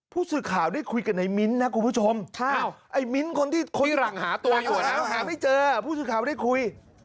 ผู้สื่อข่าวได้คุยกับในมิ้นท์นะคุณผู้ชมไอ้มิ้นคนที่คุยหลังหาตัวอยู่แล้วหาไม่เจอผู้สื่อข่าวได้คุย